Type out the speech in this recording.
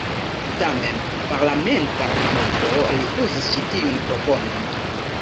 Tamen, parlamenta plimulto rifuzis ĉi tiun proponon.